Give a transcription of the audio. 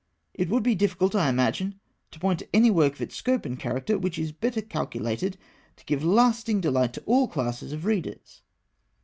It would be difficult, I imagine, to point to any work of its scope and character which is better calculated to give lasting delight to all classes of readers.